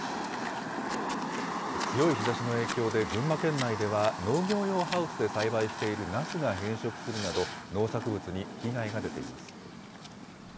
強い日ざしの影響で、群馬県内では農業用ハウスで栽培しているナスが変色するなど、農作物に被害が出ています。